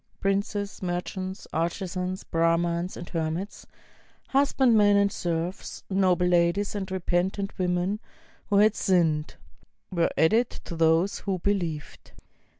Princes, merchants, artisans, Brahmans and hermits, husbandmen and serfs, noble ladies and repentant women who had sinned, were added to those who believed.